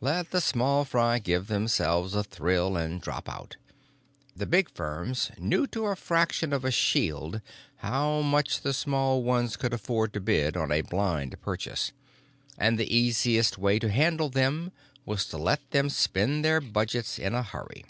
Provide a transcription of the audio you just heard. Let the small fry give themselves a thrill and drop out. The big firms knew to a fraction of a shield how much the small ones could afford to bid on a blind purchase, and the easiest way to handle them was to let them spend their budgets in a hurry.